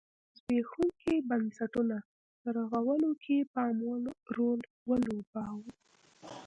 زبېښونکي بنسټونه په رغولو کې پاموړ رول ولوباوه.